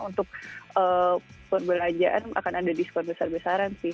untuk perbelanjaan akan ada di spot besar besaran sih